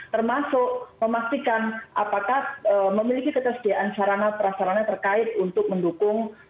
termasuk memastikan apakah memiliki ketersediaan sarana perasarana terkait untuk mendukung